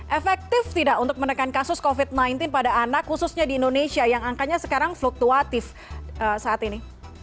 efektif tidak untuk menekan kasus covid sembilan belas pada anak khususnya di indonesia yang angkanya sekarang fluktuatif saat ini